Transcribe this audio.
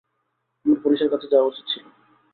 আমার পুলিশের কাছে যাওয়া উচিত ছিল।